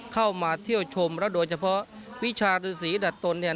เข้ามาเที่ยวชมแล้วโดยเฉพาะวิชาฤษีดัดตนเนี่ย